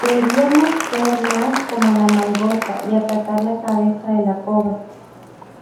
Deberíamos ser más como la mangosta y atacar la cabeza de la cobra"".